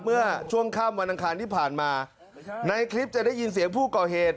เมื่อช่วงค่ำวันอังคารที่ผ่านมาในคลิปจะได้ยินเสียงผู้ก่อเหตุ